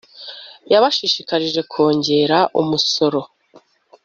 yabashishikarije kongera umusaruro